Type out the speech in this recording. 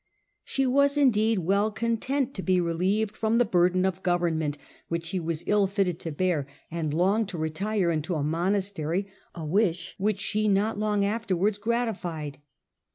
She was, indeed, well content to be relieved from the burden of government which she was ill fitted to bear, and longed to retire into a monastery, a wish which she not long afterwards gratified.